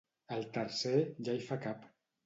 el tercer ja hi fa cap